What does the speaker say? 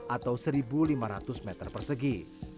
atau satu lima ratus meter persegi